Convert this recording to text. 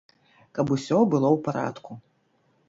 Каб усё было ў парадку.